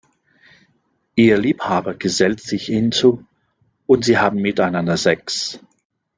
Ihr Liebhaber gesellt sich hinzu, und sie haben miteinander Sex.